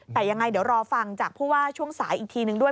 แต่ยังไงเดี๋ยวรอฟังจากผู้ว่าช่วงสายอีกทีนึงด้วย